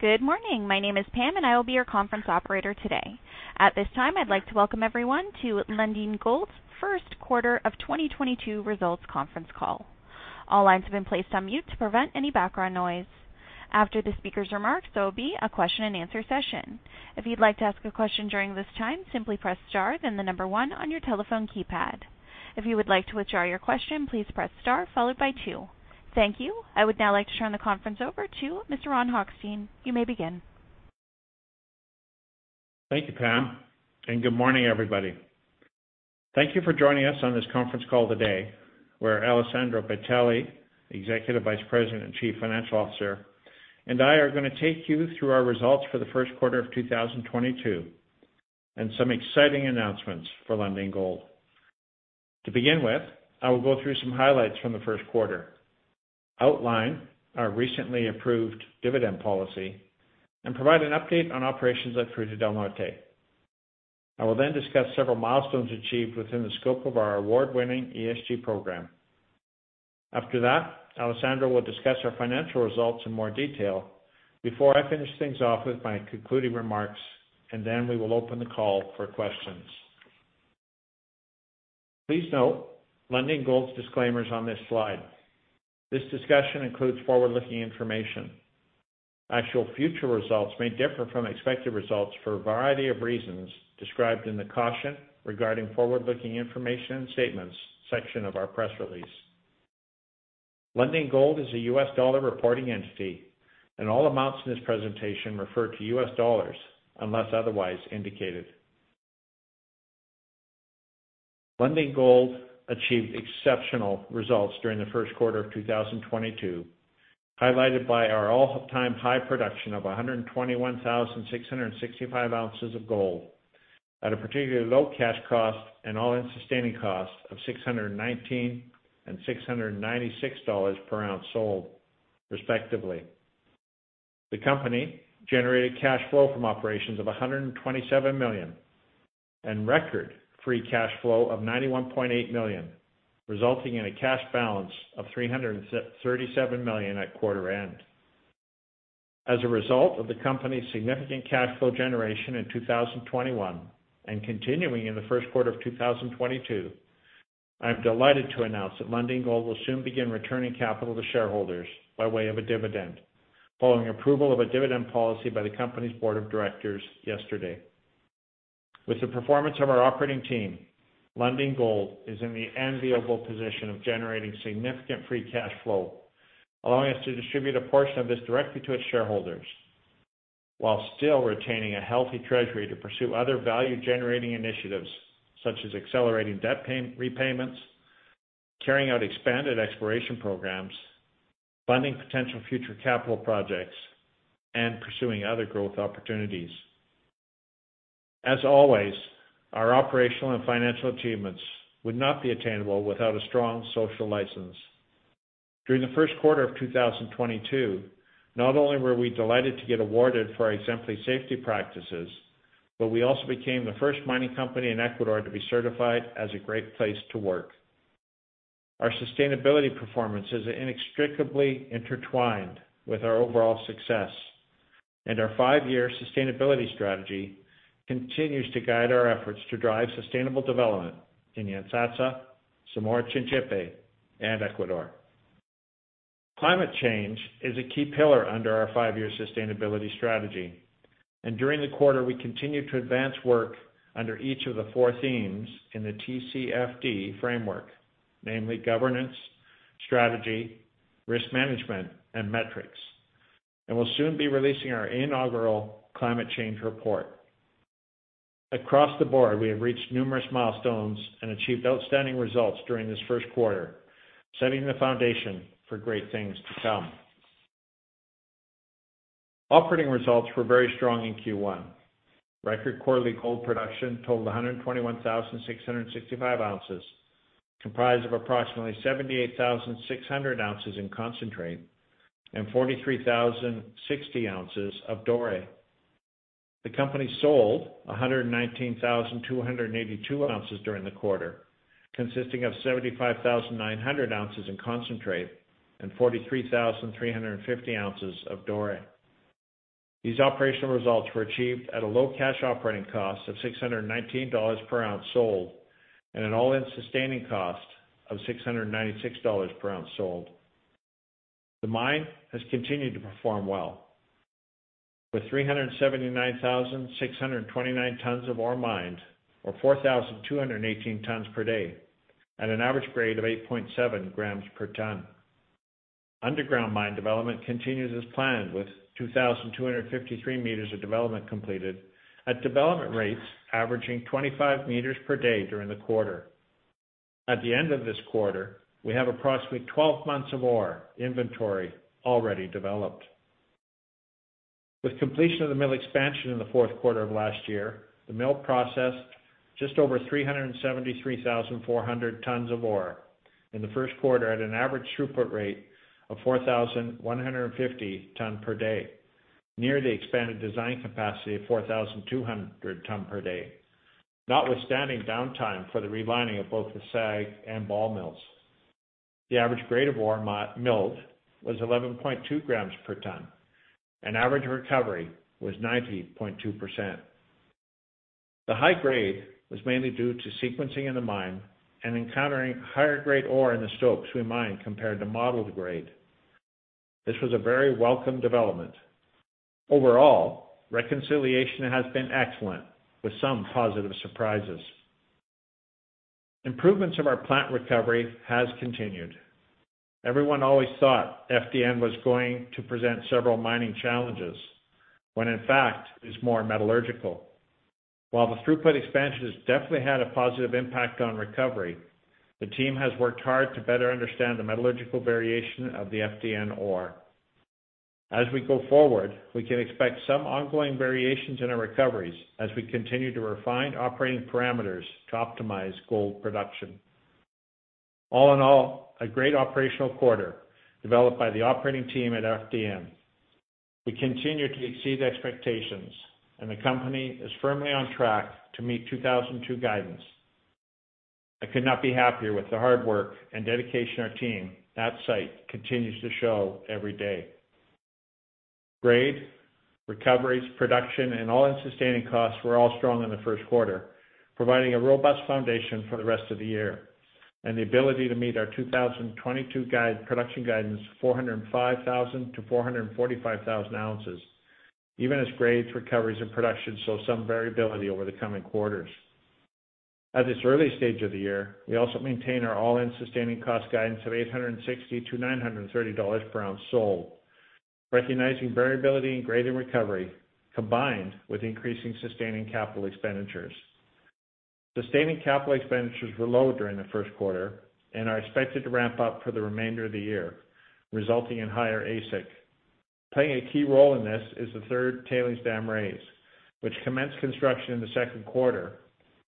Good morning. My name is Pam, and I will be your conference operator today. At this time, I'd like to welcome everyone to Lundin Gold's first quarter of 2022 results conference call. All lines have been placed on mute to prevent any background noise. After the speaker's remarks, there will be a question-and-answer session. If you'd like to ask a question during this time, simply press star then the number one on your telephone keypad. If you would like to withdraw your question, please press star followed by two. Thank you. I would now like to turn the conference over to Mr. Ron Hochstein. You may begin. Thank you, Pam, and good morning, everybody. Thank you for joining us on this conference call today, where Alessandro Bitelli, Executive Vice President and Chief Financial Officer, and I are gonna take you through our results for the first quarter of 2022, and some exciting announcements for Lundin Gold. To begin with, I will go through some highlights from the first quarter, outline our recently approved dividend policy, and provide an update on operations at Fruta del Norte. I will then discuss several milestones achieved within the scope of our award-winning ESG program. After that, Alessandro will discuss our financial results in more detail before I finish things off with my concluding remarks, and then we will open the call for questions. Please note Lundin Gold's disclaimers on this slide. This discussion includes forward-looking information. Actual future results may differ from expected results for a variety of reasons described in the Caution Regarding Forward-Looking Information and Statements section of our press release. Lundin Gold is a U.S. dollar reporting entity, and all amounts in this presentation refer to U.S. dollars unless otherwise indicated. Lundin Gold achieved exceptional results during the first quarter of 2022, highlighted by our all-time high production of 121,665 ounces of gold at a particularly low cash cost and all-in sustaining cost of $619 and $696 per ounce sold respectively. The company generated cash flow from operations of $127 million and record free cash flow of $91.8 million, resulting in a cash balance of $337 million at quarter end. As a result of the company's significant cash flow generation in 2021 and continuing in the first quarter of 2022, I'm delighted to announce that Lundin Gold will soon begin returning capital to shareholders by way of a dividend following approval of a dividend policy by the company's board of directors yesterday. With the performance of our operating team, Lundin Gold is in the enviable position of generating significant free cash flow, allowing us to distribute a portion of this directly to its shareholders while still retaining a healthy treasury to pursue other value-generating initiatives such as accelerating debt repayments, carrying out expanded exploration programs, funding potential future capital projects, and pursuing other growth opportunities. As always, our operational and financial achievements would not be attainable without a strong social license. During the first quarter of 2022, not only were we delighted to get awarded for our exemplary safety practices, but we also became the first mining company in Ecuador to be certified as a Great Place to Work. Our sustainability performance is inextricably intertwined with our overall success, and our five-year sustainability strategy continues to guide our efforts to drive sustainable development in Yantzaza, Zamora-Chinchipe, and Ecuador. Climate change is a key pillar under our five-year sustainability strategy, and during the quarter, we continued to advance work under each of the four themes in the TCFD framework, namely governance, strategy, risk management, and metrics, and we'll soon be releasing our inaugural climate change report. Across the board, we have reached numerous milestones and achieved outstanding results during this first quarter, setting the foundation for great things to come. Operating results were very strong in Q1. Record quarterly gold production totaled 121,665 ounces, comprised of approximately 78,600 ounces in concentrate and 43,060 ounces of doré. The company sold 119,282 ounces during the quarter, consisting of 75,900 ounces in concentrate and 43,350 ounces of doré. These operational results were achieved at a low cash operating cost of $619 per ounce sold and an all-in sustaining cost of $696 per ounce sold. The mine has continued to perform well, with 379,629 tons of ore mined or 4,218 tons per day at an average grade of 8.7 grams per ton. Underground mine development continues as planned with 2,253 meters of development completed at development rates averaging 25 meters per day during the quarter. At the end of this quarter, we have approximately 12 months of ore inventory already developed. With completion of the mill expansion in the fourth quarter of last year, the mill processed just over 373,400 tons of ore in the first quarter at an average throughput rate of 4,150 tons per day, near the expanded design capacity of 4,200 tons per day, notwithstanding downtime for the relining of both the SAG and ball mills. The average grade of ore milled was 11.2 grams per ton, and average recovery was 90.2%. The high grade was mainly due to sequencing in the mine and encountering higher grade ore in the stopes we mine compared to modeled grade. This was a very welcome development. Overall, reconciliation has been excellent, with some positive surprises. Improvements of our plant recovery has continued. Everyone always thought FDN was going to present several mining challenges, when in fact, it's more metallurgical. While the throughput expansion has definitely had a positive impact on recovery, the team has worked hard to better understand the metallurgical variation of the FDN ore. As we go forward, we can expect some ongoing variations in our recoveries as we continue to refine operating parameters to optimize gold production. All in all, a great operational quarter developed by the operating team at FDN. We continue to exceed expectations, and the company is firmly on track to meet 2002 guidance. I could not be happier with the hard work and dedication our team at site continues to show every day. Grade, recoveries, production, and all-in sustaining costs were all strong in the first quarter, providing a robust foundation for the rest of the year, and the ability to meet our 2022 production guidance 405,000-445,000 ounces, even as grades, recoveries, and production saw some variability over the coming quarters. At this early stage of the year, we also maintain our all-in sustaining cost guidance of $860-$930 per ounce sold, recognizing variability in grade and recovery, combined with increasing sustaining capital expenditures. Sustaining capital expenditures were low during the first quarter and are expected to ramp up for the remainder of the year, resulting in higher AISC. Playing a key role in this is the third tailings dam raise, which commenced construction in the second quarter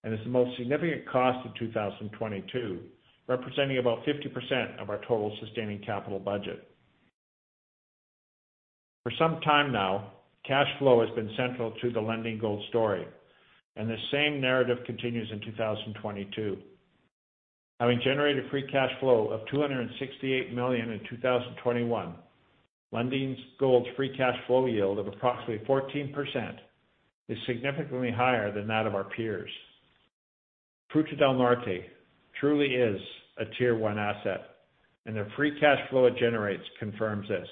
and is the most significant cost of 2022, representing about 50% of our total sustaining capital budget. For some time now, cash flow has been central to the Lundin Gold story, and the same narrative continues in 2022. Having generated free cash flow of $268 million in 2021, Lundin Gold's free cash flow yield of approximately 14% is significantly higher than that of our peers. Fruta del Norte truly is a tier one asset, and the free cash flow it generates confirms this.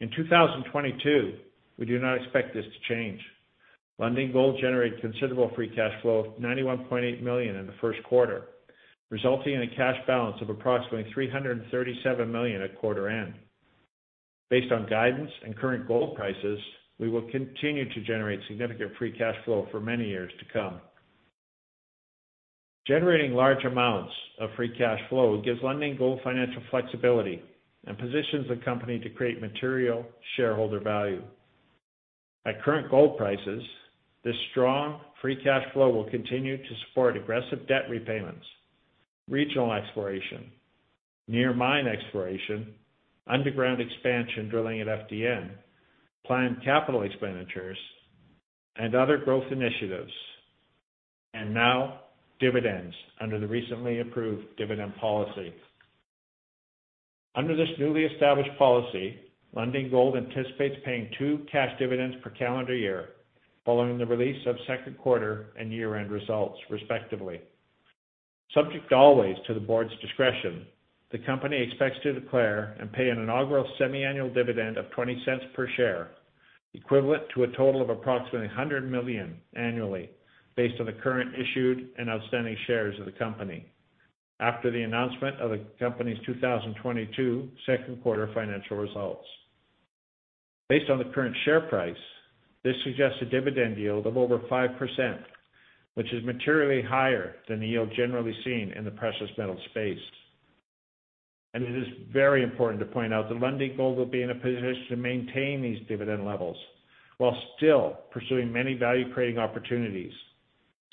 In 2022, we do not expect this to change. Lundin Gold generated considerable free cash flow of $91.8 million in the first quarter, resulting in a cash balance of approximately $337 million at quarter end. Based on guidance and current gold prices, we will continue to generate significant free cash flow for many years to come. Generating large amounts of free cash flow gives Lundin Gold financial flexibility and positions the company to create material shareholder value. At current gold prices, this strong free cash flow will continue to support aggressive debt repayments, regional exploration, near mine exploration, underground expansion drilling at FDN, planned capital expenditures, and other growth initiatives, and now dividends under the recently approved dividend policy. Under this newly established policy, Lundin Gold anticipates paying two cash dividends per calendar year following the release of second quarter and year-end results, respectively. Subject always to the board's discretion, the company expects to declare and pay an inaugural semiannual dividend of $0.20 per share, equivalent to a total of approximately $100 million annually based on the current issued and outstanding shares of the company after the announcement of the company's 2022 second quarter financial results. Based on the current share price, this suggests a dividend yield of over 5%, which is materially higher than the yield generally seen in the precious metal space. It is very important to point out that Lundin Gold will be in a position to maintain these dividend levels while still pursuing many value-creating opportunities,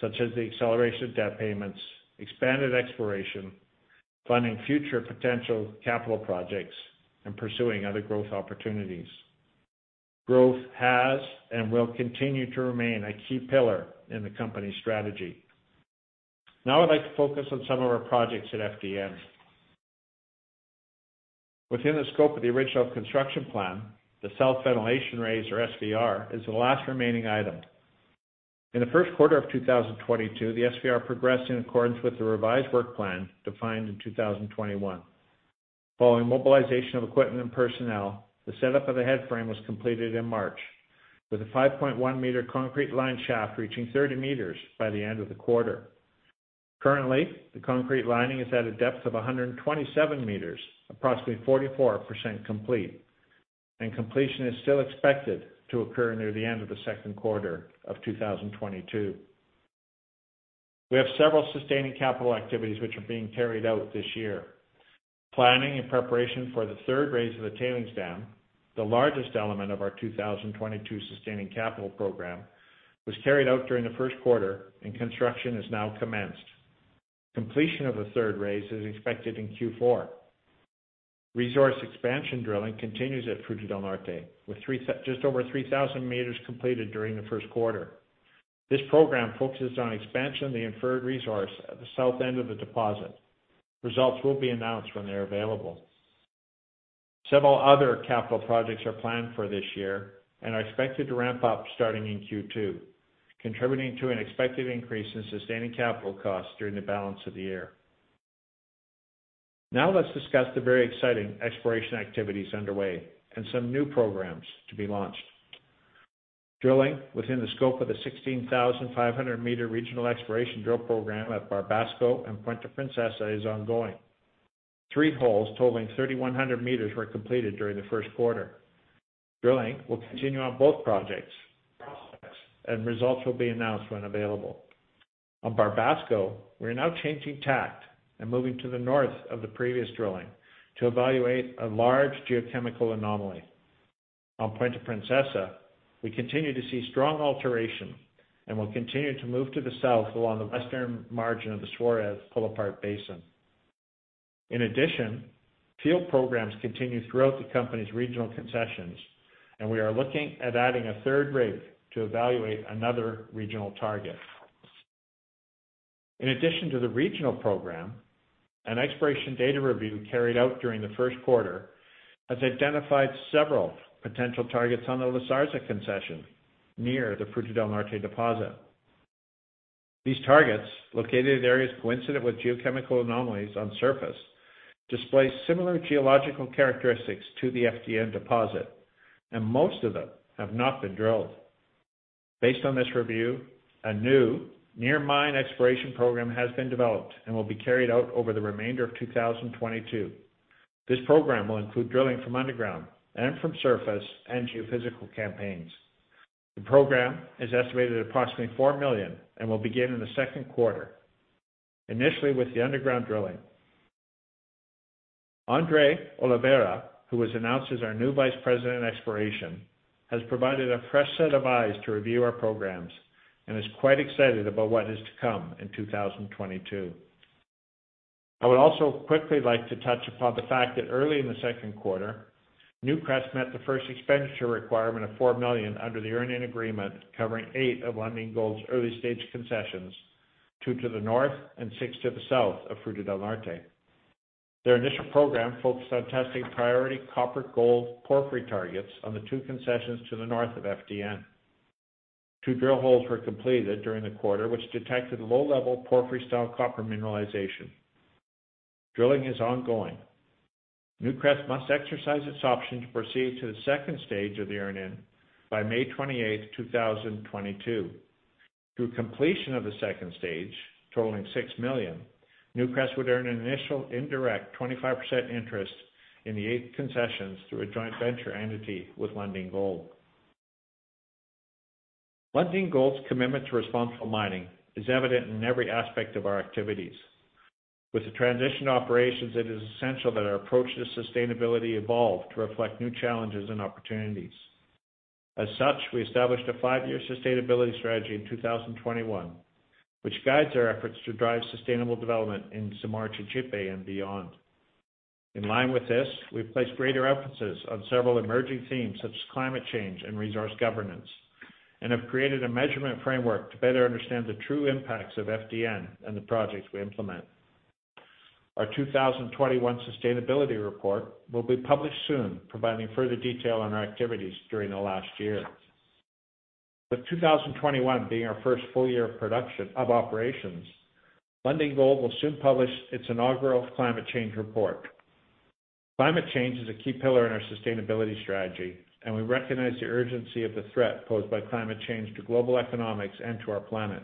such as the acceleration of debt payments, expanded exploration, funding future potential capital projects, and pursuing other growth opportunities. Growth has and will continue to remain a key pillar in the company's strategy. Now I'd like to focus on some of our projects at FDN. Within the scope of the original construction plan, the self-ventilation raise or SVR is the last remaining item. In the first quarter of 2022, the SVR progressed in accordance with the revised work plan defined in 2021. Following mobilization of equipment and personnel, the setup of the headframe was completed in March, with a 5.1-meter concrete-lined shaft reaching 30 meters by the end of the quarter. Currently, the concrete lining is at a depth of 127 meters, approximately 44% complete, and completion is still expected to occur near the end of the second quarter of 2022. We have several sustaining capital activities which are being carried out this year. Planning and preparation for the third raise of the tailings dam, the largest element of our 2022 sustaining capital program, was carried out during the first quarter and construction has now commenced. Completion of the third raise is expected in Q4. Resource expansion drilling continues at Fruta del Norte with just over 3,000 meters completed during the first quarter. This program focuses on expansion of the inferred resource at the south end of the deposit. Results will be announced when they're available. Several other capital projects are planned for this year and are expected to ramp up starting in Q2, contributing to an expected increase in sustaining capital costs during the balance of the year. Now let's discuss the very exciting exploration activities underway and some new programs to be launched. Drilling within the scope of the 16,500-meter regional exploration drill program at Barbasco and Punta Princesa is ongoing. Three holes totaling 3,100 meters were completed during the first quarter. Drilling will continue on both projects, and results will be announced when available. On Barbasco, we're now changing tack and moving to the north of the previous drilling to evaluate a large geochemical anomaly. On Punta Princesa, we continue to see strong alteration and will continue to move to the south along the western margin of the Suarez pull-apart basin. In addition, field programs continue throughout the company's regional concessions, and we are looking at adding a third rig to evaluate another regional target. In addition to the regional program, an exploration data review carried out during the first quarter has identified several potential targets on the Las Arcas concession near the Fruta del Norte deposit. These targets, located at areas coincident with geochemical anomalies on surface, display similar geological characteristics to the FDN deposit, and most of them have not been drilled. Based on this review, a new near-mine exploration program has been developed and will be carried out over the remainder of 2022. This program will include drilling from underground and from surface and geophysical campaigns. The program is estimated at approximately $4 million and will begin in the second quarter, initially with the underground drilling. Andre Oliveira, who was announced as our new Vice President of Exploration, has provided a fresh set of eyes to review our programs and is quite excited about what is to come in 2022. I would also quickly like to touch upon the fact that early in the second quarter, Newcrest Mining met the first expenditure requirement of $4 million under the earn-in agreement covering eight of Lundin Gold's early-stage concessions, two to the north and six to the south of Fruta del Norte. Their initial program focused on testing priority copper-gold porphyry targets on the two concessions to the north of FDN. Two drill holes were completed during the quarter, which detected low-level porphyry-style copper mineralization. Drilling is ongoing. Newcrest Mining must exercise its option to proceed to the second stage of the earn-in by May 28, 2022. Through completion of the second stage, totaling $6 million, Newcrest Mining would earn an initial indirect 25% interest in the eight concessions through a joint venture entity with Lundin Gold. Lundin Gold's commitment to responsible mining is evident in every aspect of our activities. With the transition to operations, it is essential that our approach to sustainability evolve to reflect new challenges and opportunities. As such, we established a five-year sustainability strategy in 2021, which guides our efforts to drive sustainable development in Zamora Chinchipe and beyond. In line with this, we've placed greater emphasis on several emerging themes such as climate change and resource governance, and have created a measurement framework to better understand the true impacts of FDN and the projects we implement. Our 2021 sustainability report will be published soon, providing further detail on our activities during the last year. With 2021 being our first full year of production of operations, Lundin Gold will soon publish its inaugural climate change report. Climate change is a key pillar in our sustainability strategy, and we recognize the urgency of the threat posed by climate change to the global economy and to our planet.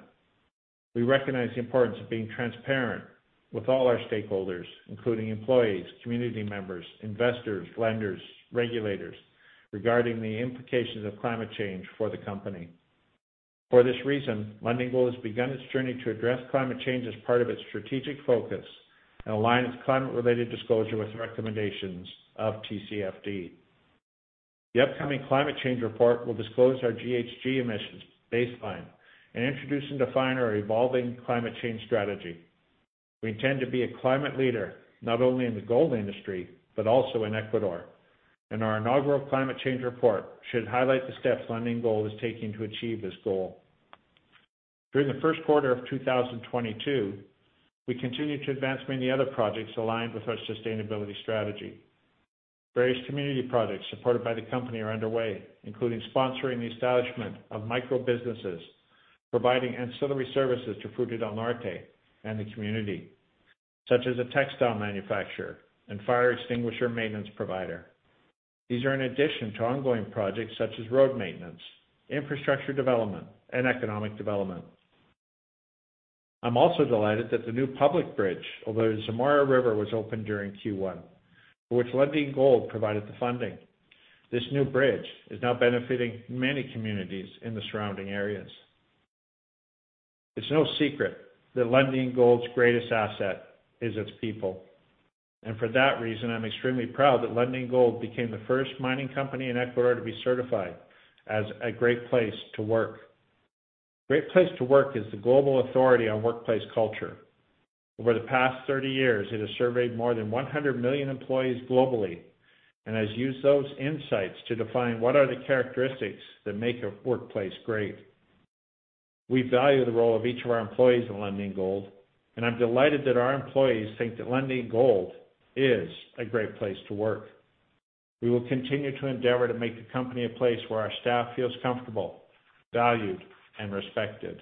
We recognize the importance of being transparent with all our stakeholders, including employees, community members, investors, lenders, regulators, regarding the implications of climate change for the company. For this reason, Lundin Gold has begun its journey to address climate change as part of its strategic focus and align its climate-related disclosure with the recommendations of TCFD. The upcoming climate change report will disclose our GHG emissions baseline and introduce and define our evolving climate change strategy. We intend to be a climate leader, not only in the gold industry but also in Ecuador, and our inaugural climate change report should highlight the steps Lundin Gold is taking to achieve this goal. During the first quarter of 2022, we continued to advance many other projects aligned with our sustainability strategy. Various community projects supported by the company are underway, including sponsoring the establishment of micro-businesses, providing ancillary services to Fruta del Norte and the community, such as a textile manufacturer and fire extinguisher maintenance provider. These are in addition to ongoing projects such as road maintenance, infrastructure development, and economic development. I'm also delighted that the new public bridge over the Zamora River was opened during Q1, for which Lundin Gold provided the funding. This new bridge is now benefiting many communities in the surrounding areas. It's no secret that Lundin Gold's greatest asset is its people. For that reason, I'm extremely proud that Lundin Gold became the first mining company in Ecuador to be certified as a Great Place to Work. Great Place to Work is the global authority on workplace culture. Over the past 30 years, it has surveyed more than 100 million employees globally and has used those insights to define what are the characteristics that make a workplace great. We value the role of each of our employees in Lundin Gold, and I'm delighted that our employees think that Lundin Gold is a great place to work. We will continue to endeavor to make the company a place where our staff feels comfortable, valued, and respected.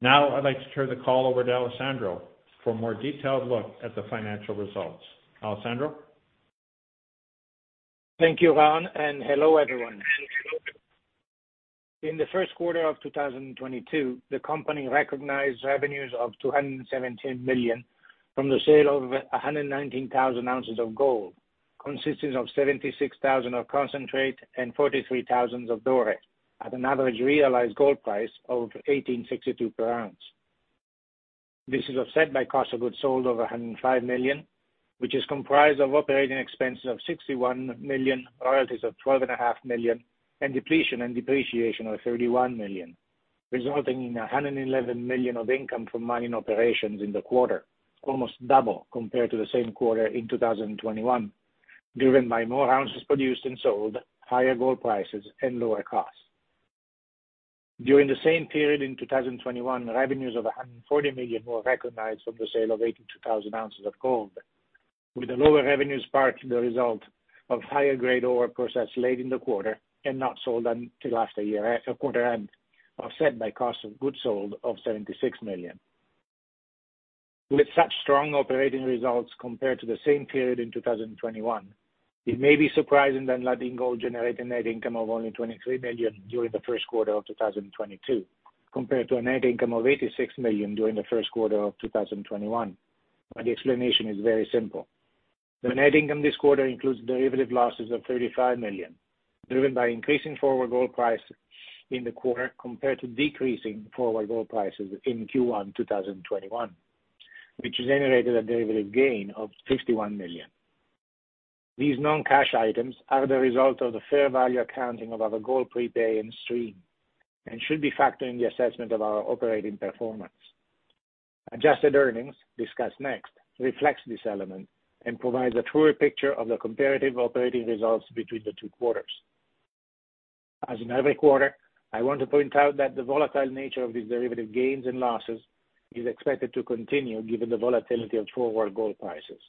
Now, I'd like to turn the call over to Alessandro for a more detailed look at the financial results. Alessandro? Thank you, Ron, and hello, everyone. In the first quarter of 2022, the company recognized revenues of $217 million from the sale of 119,000 ounces of gold, consisting of 76,000 of concentrate and 43,000 of doré, at an average realized gold price of $1,862 per ounce. This is offset by cost of goods sold of $105 million, which is comprised of operating expenses of $61 million, royalties of $12.5 million, and depletion and depreciation of $31 million, resulting in $111 million of income from mining operations in the quarter, almost double compared to the same quarter in 2021, driven by more ounces produced and sold, higher gold prices, and lower costs. During the same period in 2021, revenues of $140 million were recognized from the sale of 82,000 ounces of gold, with the lower revenues a result of higher grade ore processed late in the quarter and not sold until after quarter end, offset by cost of goods sold of $76 million. With such strong operating results compared to the same period in 2021, it may be surprising that Lundin Gold generated net income of only $23 million during the first quarter of 2022, compared to a net income of $86 million during the first quarter of 2021. The explanation is very simple. The net income this quarter includes derivative losses of $35 million, driven by increasing forward gold price in the quarter compared to decreasing forward gold prices in Q1 2021, which has generated a derivative gain of $51 million. These non-cash items are the result of the fair value accounting of our gold prepay and stream, and should be factored in the assessment of our operating performance. Adjusted earnings, discussed next, reflects this element and provides a truer picture of the comparative operating results between the two quarters. In every quarter, I want to point out that the volatile nature of these derivative gains and losses is expected to continue, given the volatility of forward gold prices.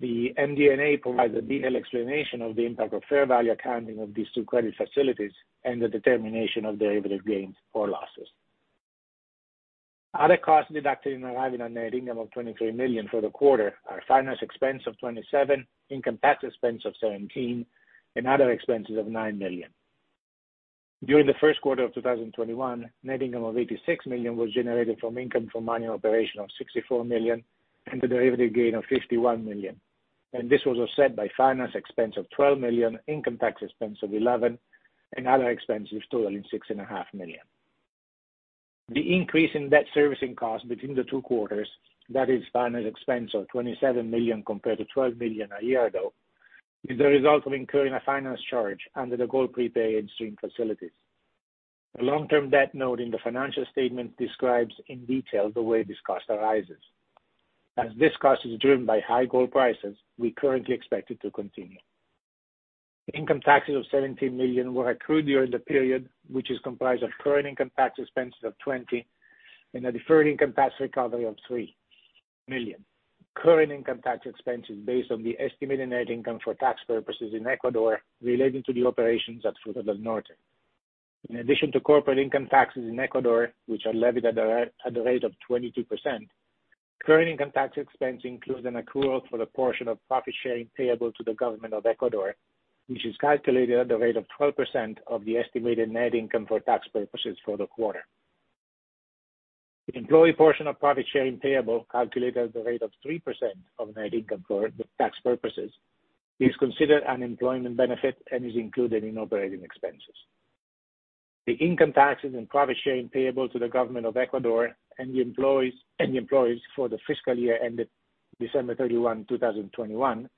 The MD&A provides a detailed explanation of the impact of fair value accounting of these two credit facilities and the determination of derivative gains or losses. Other costs deducted in arriving at net income of $23 million for the quarter are finance expense of $27, income tax expense of $17, and other expenses of $9 million. During the first quarter of 2021, net income of $86 million was generated from income from mining operation of $64 million and the derivative gain of $51 million. This was offset by finance expense of $12 million, income tax expense of $11, and other expenses totaling $6.5 million. The increase in debt servicing costs between the two quarters, that is finance expense of $27 million compared to $12 million a year ago, is the result of incurring a finance charge under the gold prepay and stream facilities. The long-term debt note in the financial statement describes in detail the way this cost arises. As this cost is driven by high gold prices, we currently expect it to continue. Income taxes of $17 million were accrued during the period, which is comprised of current income tax expenses of $20 million and a deferred income tax recovery of $3 million. Current income tax expense is based on the estimated net income for tax purposes in Ecuador relating to the operations at Fruta del Norte. In addition to corporate income taxes in Ecuador, which are levied at the rate of 22%, current income tax expense includes an accrual for the portion of profit sharing payable to the government of Ecuador, which is calculated at the rate of 12% of the estimated net income for tax purposes for the quarter. The employee portion of profit sharing payable, calculated at the rate of 3% of net income for the tax purposes, is considered an employment benefit and is included in operating expenses. The income taxes and profit sharing payable to the government of Ecuador and the employees for the fiscal year ended December 31, 2021,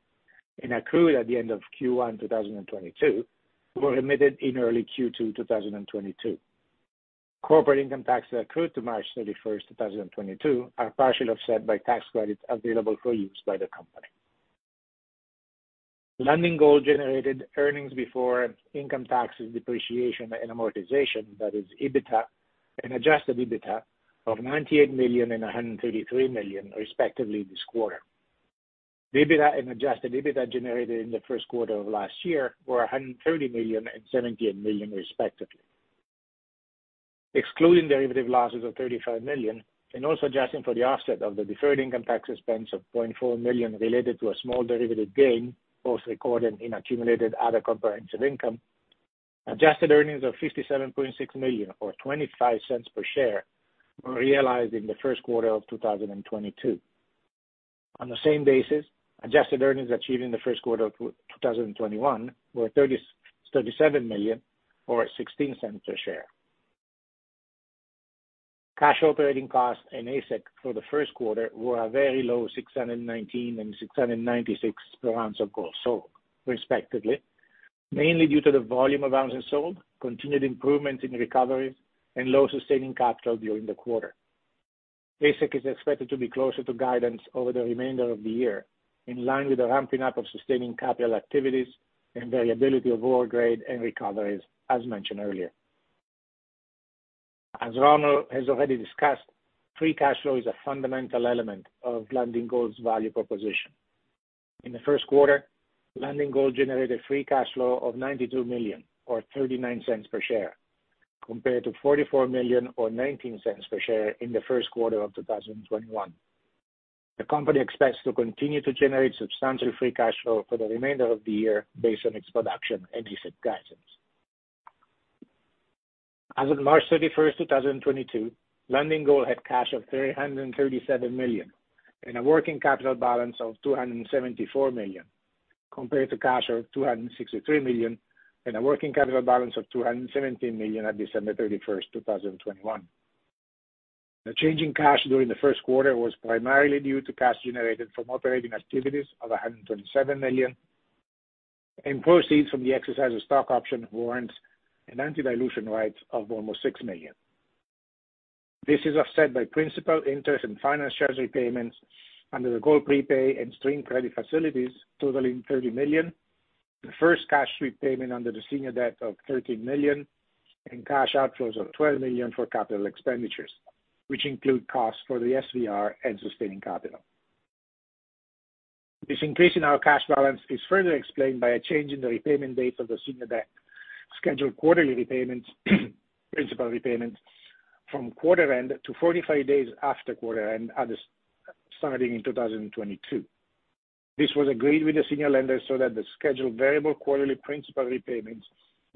and accrued at the end of Q1 2022, were remitted in early Q2 2022. Corporate income taxes accrued to March 31, 2022 are partially offset by tax credits available for use by the company. Lundin Gold generated earnings before income taxes, depreciation, and amortization, that is, EBITDA and adjusted EBITDA of $98 million and $133 million, respectively, this quarter. The EBITDA and adjusted EBITDA generated in the first quarter of last year were $130 million and $17 million, respectively. Excluding derivative losses of $35 million and also adjusting for the offset of the deferred income tax expense of $0.4 million related to a small derivative gain, both recorded in accumulated other comprehensive income, adjusted earnings of $57.6 million or $0.25 per share were realized in the first quarter of 2022. On the same basis, adjusted earnings achieved in the first quarter of 2021 were $37 million or $0.16 per share. Cash operating costs and AISC for the first quarter were a very low $619 and $696 per ounce of gold sold respectively, mainly due to the volume of ounces sold, continued improvement in recoveries, and low sustaining capital during the quarter. AISC is expected to be closer to guidance over the remainder of the year, in line with the ramping up of sustaining capital activities and variability of ore grade and recoveries, as mentioned earlier. As Ronald has already discussed, free cash flow is a fundamental element of Lundin Gold's value proposition. In the first quarter, Lundin Gold generated free cash flow of $92 million or $0.39 per share, compared to $44 million or $0.19 per share in the first quarter of 2021. The company expects to continue to generate substantial free cash flow for the remainder of the year based on its production and AISC guidance. As of March 31, 2022, Lundin Gold had cash of $337 million and a working capital balance of $274 million, compared to cash of $263 million and a working capital balance of $217 million at December 31, 2021. The change in cash during the first quarter was primarily due to cash generated from operating activities of $127 million and proceeds from the exercise of stock option warrants and anti-dilution rights of almost $6 million. This is offset by principal interest and finance charge repayments under the gold prepay and stream credit facilities totaling $30 million. The first cash repayment under the senior debt of $13 million and cash outflows of $12 million for capital expenditures, which include costs for the SVR and sustaining capital. This increase in our cash balance is further explained by a change in the repayment date of the senior debt scheduled quarterly repayments, principal repayments from quarter end to 45 days after quarter end starting in 2022. This was agreed with the senior lender so that the scheduled variable quarterly principal repayments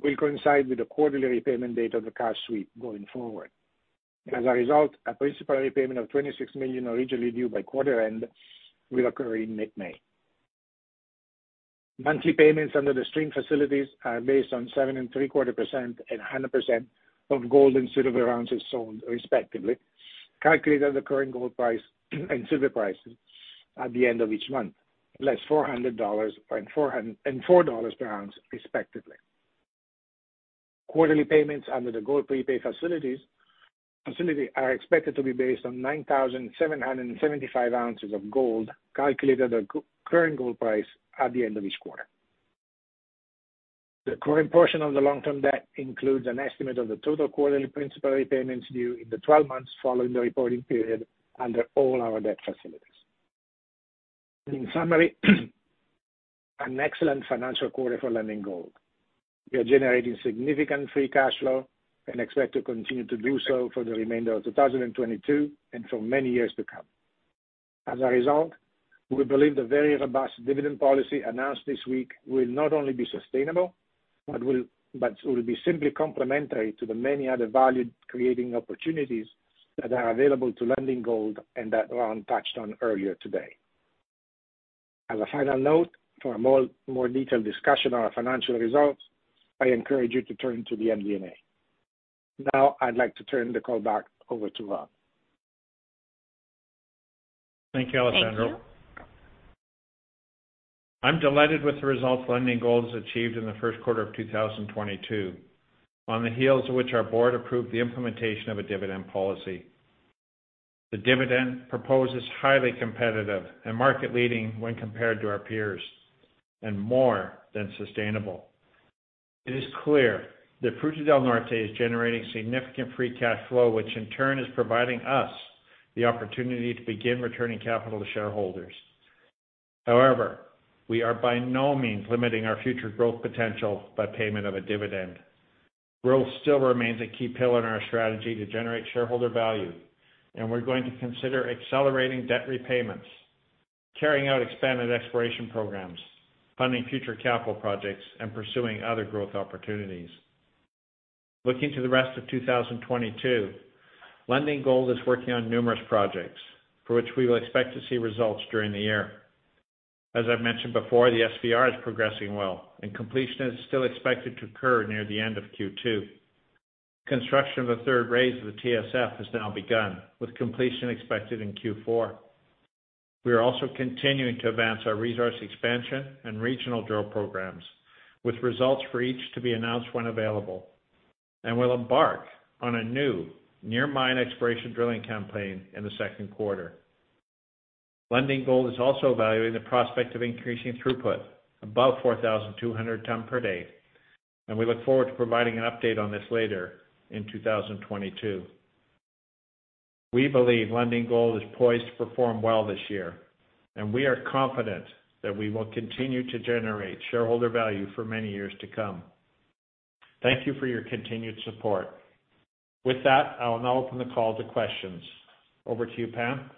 will coincide with the quarterly repayment date of the cash sweep going forward. As a result, a principal repayment of $26 million originally due by quarter end will occur in mid-May. Monthly payments under the stream facilities are based on 7.75% and 100% of gold and silver ounces sold respectively, calculated at the current gold price and silver prices at the end of each month, less $400 and $4 per ounce respectively. Quarterly payments under the gold prepay facilities are expected to be based on 9,775 ounces of gold calculated at current gold price at the end of each quarter. The current portion of the long-term debt includes an estimate of the total quarterly principal repayments due in the 12 months following the reporting period under all our debt facilities. In summary, an excellent financial quarter for Lundin Gold. We are generating significant free cash flow and expect to continue to do so for the remainder of 2022 and for many years to come. As a result, we believe the very robust dividend policy announced this week will not only be sustainable, but will be simply complementary to the many other value creating opportunities that are available to Lundin Gold and that Ron touched on earlier today. As a final note, for a more detailed discussion on our financial results, I encourage you to turn to the MD&A. Now I'd like to turn the call back over to Ron. Thank you, Alessandro. Thank you. I'm delighted with the results Lundin Gold has achieved in the first quarter of 2022, on the heels of which our board approved the implementation of a dividend policy. The dividend proposes highly competitive and market leading when compared to our peers and more than sustainable. It is clear that Fruta del Norte is generating significant free cash flow, which in turn is providing us the opportunity to begin returning capital to shareholders. However, we are by no means limiting our future growth potential by payment of a dividend. Growth still remains a key pillar in our strategy to generate shareholder value, and we're going to consider accelerating debt repayments, carrying out expanded exploration programs, funding future capital projects, and pursuing other growth opportunities. Looking to the rest of 2022, Lundin Gold is working on numerous projects for which we will expect to see results during the year. As I've mentioned before, the SVR is progressing well and completion is still expected to occur near the end of Q2. Construction of the third raise of the TSF has now begun, with completion expected in Q4. We are also continuing to advance our resource expansion and regional drill programs, with results for each to be announced when available. We'll embark on a new near mine exploration drilling campaign in the second quarter. Lundin Gold is also evaluating the prospect of increasing throughput above 4,200 tons per day, and we look forward to providing an update on this later in 2022. We believe Lundin Gold is poised to perform well this year, and we are confident that we will continue to generate shareholder value for many years to come. Thank you for your continued support. With that, I will now open the call to questions. Over to you, Pam.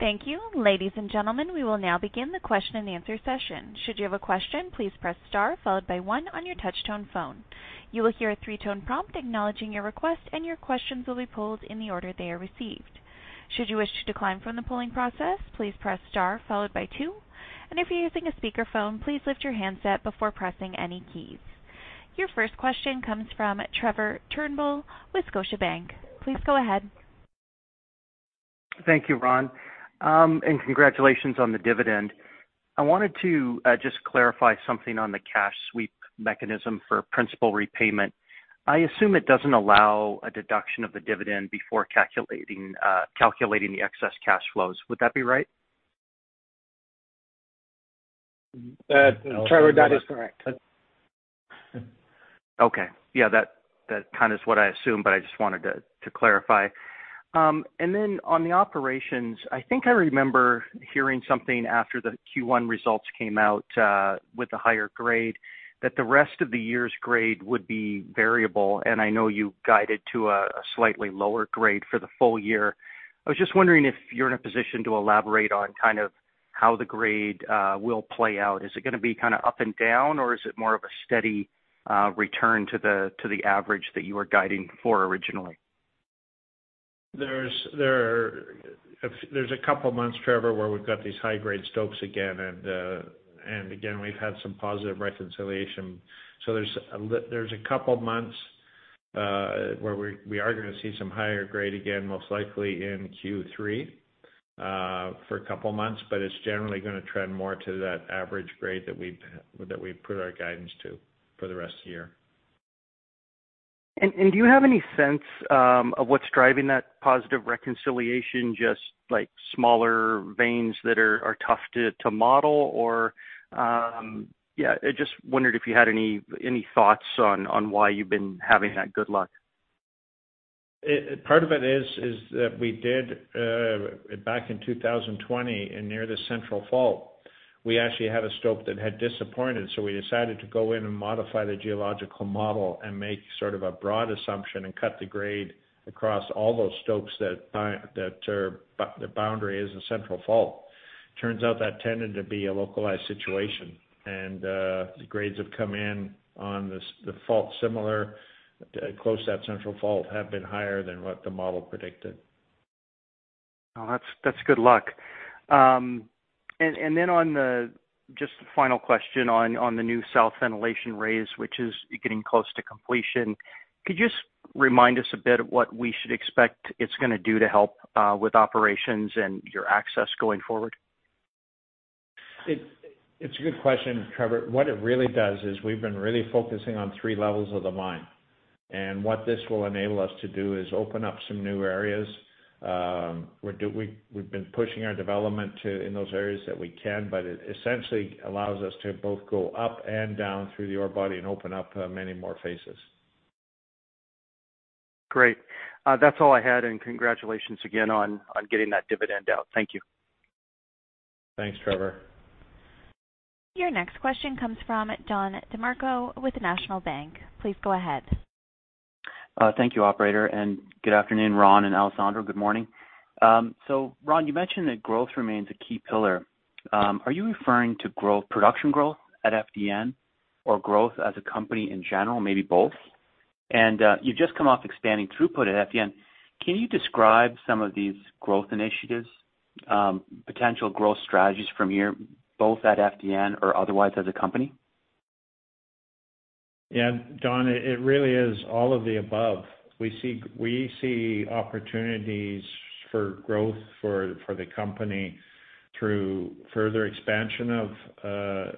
Thank you. Ladies and gentlemen, we will now begin the question-and-answer session. Should you have a question, please press star followed by one on your touch tone phone. You will hear a three-tone prompt acknowledging your request, and your questions will be pulled in the order they are received. Should you wish to decline from the polling process, please press star followed by two. If you're using a speakerphone, please lift your handset before pressing any keys. Your first question comes from Trevor Turnbull with Scotiabank. Please go ahead. Thank you, Ron. Congratulations on the dividend. I wanted to just clarify something on the cash sweep mechanism for principal repayment. I assume it doesn't allow a deduction of the dividend before calculating the excess cash flows. Would that be right? Trevor, that is correct. Okay. Yeah, that kind of is what I assumed, but I just wanted to clarify. Then on the operations, I think I remember hearing something after the Q1 results came out with the higher grade, that the rest of the year's grade would be variable. I know you guided to a slightly lower grade for the full year. I was just wondering if you're in a position to elaborate on kind of how the grade will play out. Is it gonna be kinda up and down, or is it more of a steady return to the average that you were guiding for originally? There's a couple months, Trevor, where we've got these high-grade stopes again and again, we've had some positive reconciliation. There's a couple months where we are gonna see some higher grade, again, most likely in Q3, for a couple months, but it's generally gonna trend more to that average grade that we've put our guidance to for the rest of the year. Do you have any sense of what's driving that positive reconciliation, just like smaller veins that are tough to model or. I just wondered if you had any thoughts on why you've been having that good luck? Part of it is that we did back in 2020 and near the central fault, we actually had a stope that had disappointed, so we decided to go in and modify the geological model and make sort of a broad assumption and cut the grade across all those stopes that the boundary is the central fault. Turns out that tended to be a localized situation. The grades have come in on this, the fault similar close to that central fault, have been higher than what the model predicted. Oh, that's good luck. Just a final question on the new south ventilation raise, which is getting close to completion. Could you just remind us a bit of what we should expect it's gonna do to help, with operations and your access going forward? It's a good question, Trevor. What it really does is we've been really focusing on three levels of the mine, and what this will enable us to do is open up some new areas. We've been pushing our development to, in those areas that we can, but it essentially allows us to both go up and down through the ore body and open up many more faces. Great. That's all I had, and congratulations again on getting that dividend out. Thank you. Thanks, Trevor. Your next question comes from Don DeMarco with National Bank. Please go ahead. Thank you, operator, and good afternoon, Ron and Alessandro, good morning. Ron, you mentioned that growth remains a key pillar. Are you referring to growth, production growth at FDN, or growth as a company in general, maybe both? You've just come off expanding throughput at FDN. Can you describe some of these growth initiatives, potential growth strategies from here, both at FDN or otherwise as a company? Yeah, Don, it really is all of the above. We see opportunities for growth for the company through further expansion of our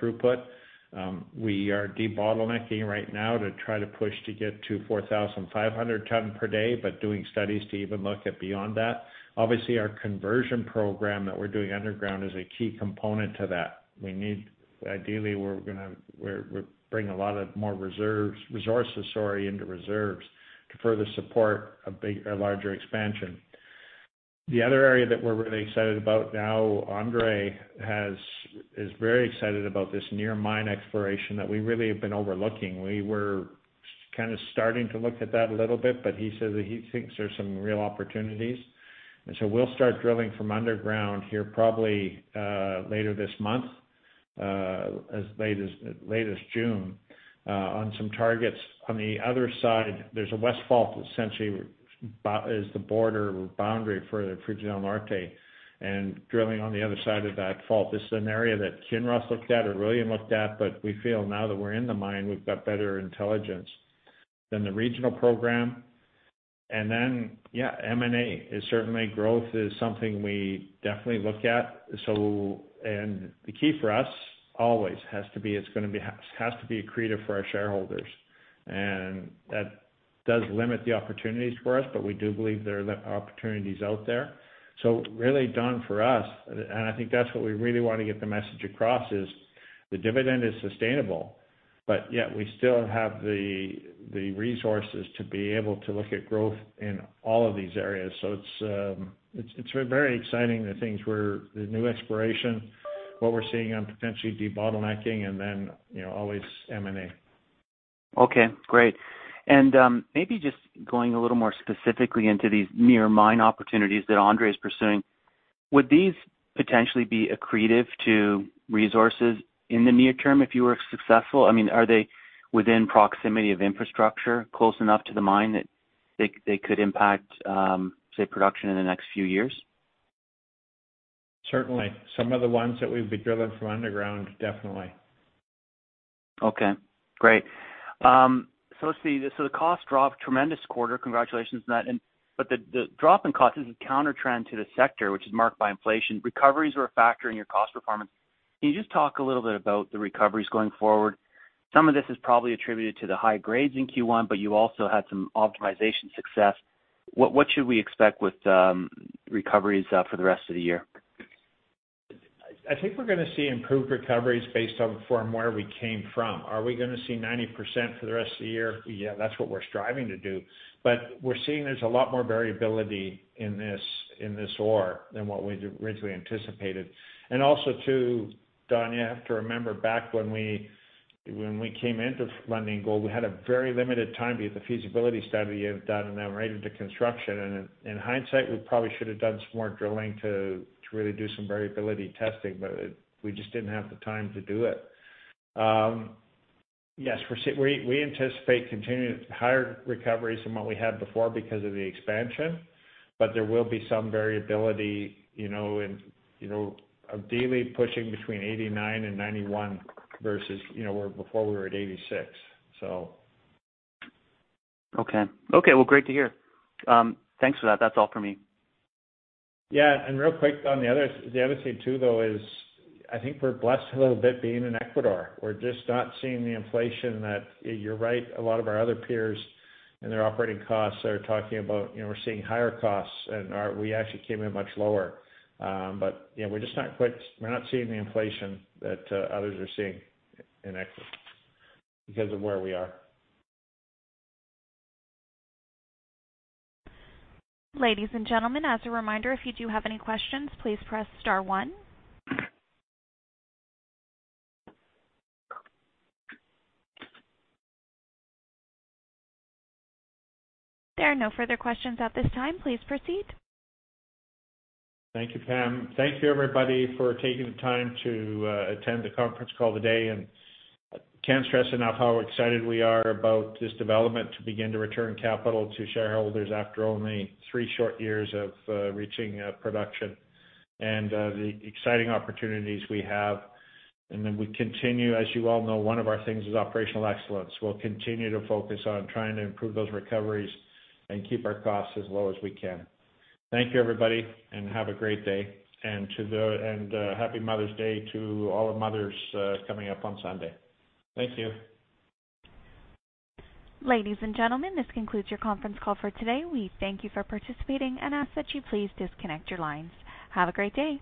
throughput. We are debottlenecking right now to try to push to get to 4,500 tons per day, but doing studies to even look at beyond that. Obviously, our conversion program that we're doing underground is a key component to that. Ideally, we're gonna bring a lot more reserves, resources, sorry, into reserves to further support a larger expansion. The other area that we're really excited about now, Andre is very excited about this near mine exploration that we really have been overlooking. We were kinda starting to look at that a little bit, but he says that he thinks there's some real opportunities. We'll start drilling from underground here probably later this month, as late as June, on some targets. On the other side, there's a west fault that essentially is the border or boundary for the Fruta del Norte, and drilling on the other side of that fault. This is an area that Kinross looked at or William looked at, but we feel now that we're in the mine, we've got better intelligence than the regional program. Yeah, M&A is certainly growth is something we definitely look at. The key for us always has to be, it's gonna be has to be accretive for our shareholders. That does limit the opportunities for us, but we do believe there are opportunities out there. Really, Don, for us, and I think that's what we really wanna get the message across, is the dividend is sustainable, but yet we still have the resources to be able to look at growth in all of these areas. It's very exciting, the new exploration, what we're seeing on potentially debottlenecking and then, you know, always M&A. Okay, great. Maybe just going a little more specifically into these near mine opportunities that Andre is pursuing. Would these potentially be accretive to resources in the near term if you were successful? I mean, are they within proximity of infrastructure close enough to the mine that they could impact, say, production in the next few years? Certainly. Some of the ones that we've been drilling from underground, definitely. The cost dropped tremendously this quarter. Congratulations on that. The drop in cost is a countertrend to the sector, which is marked by inflation. Recoveries are a factor in your cost performance. Can you just talk a little bit about the recoveries going forward? Some of this is probably attributed to the high grades in Q1, but you also had some optimization success. What should we expect with recoveries for the rest of the year? I think we're gonna see improved recoveries based on from where we came from. Are we gonna see 90% for the rest of the year? Yeah, that's what we're striving to do. But we're seeing there's a lot more variability in this ore than what we'd originally anticipated. Also too, Don, you have to remember back when we came into Lundin Gold, we had a very limited time to get the feasibility study done and then right into construction. In hindsight, we probably should have done some more drilling to really do some variability testing, but we just didn't have the time to do it. Yes, we anticipate continuing higher recoveries than what we had before because of the expansion, but there will be some variability, you know, in, you know, ideally pushing between 89%-91% versus, you know, where before we were at 86%, so. Okay, well, great to hear. Thanks for that. That's all for me. Yeah. Real quick on the other thing too, though, is I think we're blessed a little bit being in Ecuador. We're just not seeing the inflation that, you're right, a lot of our other peers and their operating costs are talking about. You know, we're seeing higher costs. We actually came in much lower. You know, we're not seeing the inflation that others are seeing in Ecuador because of where we are. Ladies and gentlemen, as a reminder, if you do have any questions, please press star one. There are no further questions at this time. Please proceed. Thank you, Pam. Thank you, everybody, for taking the time to attend the conference call today. Can't stress enough how excited we are about this development to begin to return capital to shareholders after only three short years of reaching production and the exciting opportunities we have. We continue, as you all know, one of our things is operational excellence. We'll continue to focus on trying to improve those recoveries and keep our costs as low as we can. Thank you, everybody, and have a great day. Happy Mother's Day to all our mothers coming up on Sunday. Thank you. Ladies and gentlemen, this concludes your conference call for today. We thank you for participating and ask that you please disconnect your lines. Have a great day.